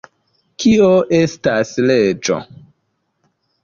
Kio estas leĝo?